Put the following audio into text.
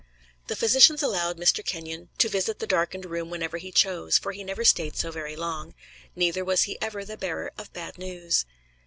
The physicians allowed Mr. Kenyon to visit the darkened room whenever he chose, for he never stayed so very long, neither was he ever the bearer of bad news.